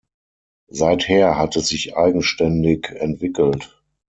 Seither hat es sich eigenständig entwickelt.